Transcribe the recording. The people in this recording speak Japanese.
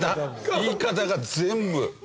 言い方が全部。